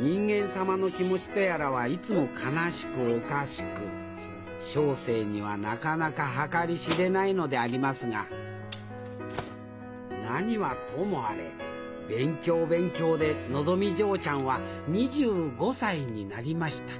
人間様の気持ちとやらはいつも悲しくおかしく小生にはなかなか計り知れないのでありますが何はともあれ勉強勉強でのぞみ嬢ちゃんは２５歳になりました。